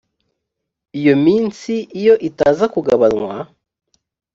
iyo minsi iyo itaza kugabanywa